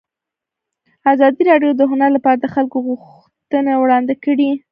ازادي راډیو د هنر لپاره د خلکو غوښتنې وړاندې کړي.